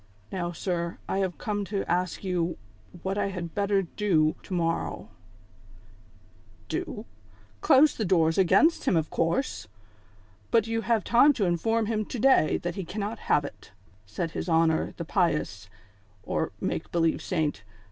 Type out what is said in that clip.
Now, sir, I have come to ask you what I had better do to morrow ?"" Do V Close the doors against him of course ; but you have time to inform him to day that he cannot have it," said his honor, the pious, or make believe saint.